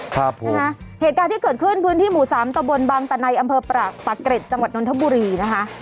ครับนะฮะเหตุการณ์ที่เกิดขึ้นพื้นที่หมู่สามตะบนบางตะไนอำเภอปากเกร็ดจังหวัดนทบุรีนะคะ